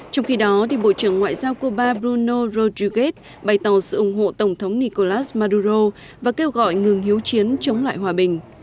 trong khi đó bộ trưởng ngoại giao cuba bruno rodriguez bày tỏ sự ủng hộ tổng thống nicolás maduro và kêu gọi ngừng hiếu chiến chống lại hòa bình